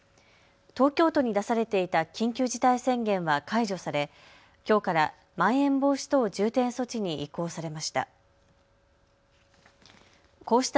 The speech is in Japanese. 東京都に出されていた緊急事態宣言は解除されきょうからまん延防止等重点措置に移行されました。